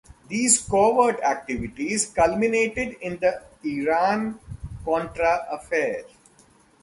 These covert activities culminated in the Iran-Contra affair.